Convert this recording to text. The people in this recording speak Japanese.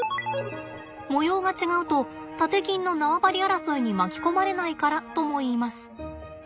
模様が違うとタテキンの縄張り争いに巻き込まれないからともいいます。